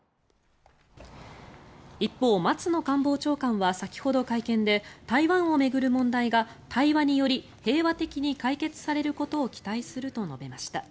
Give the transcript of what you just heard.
一方、松野官房長官は先ほど会見で台湾を巡る問題が対話により平和的に解決されることを期待すると述べました。